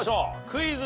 クイズ。